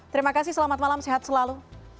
terima kasih selamat malam sehat selalu